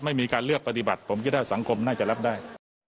ไม่มีการเลือกปฏิบัติผมคิดว่าสังคมน่าจะรับได้